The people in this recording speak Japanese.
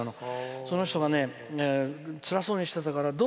その人がつらそうにしてたからどう？